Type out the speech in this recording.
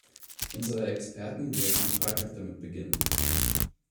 Unsere Experten werden am Freitag damit beginnen.